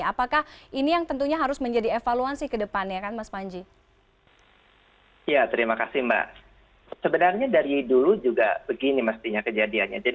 apakah ini yang tentunya harus menjadi evaluasi ke depannya